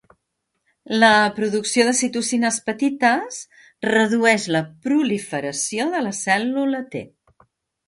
La producció de citocines petites redueix la proliferació de la cèl·lula T.